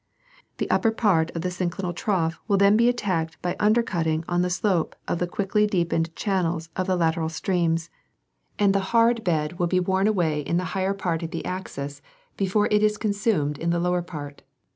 The upper part of the synclinal trough will then be attacked by undercutting on the slope of the quickly deepened channels of the lateral streams, and the hard bed will be worn away in the higher part of the axis before it is The Rivers and Valleys of Pennsylvania. 209 consumed in the lower part.